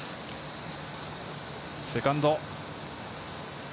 セカンド。